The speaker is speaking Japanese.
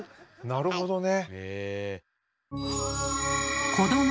なるほどね。